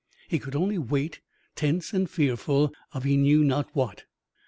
He could only wait, tense and fearful of he knew not what.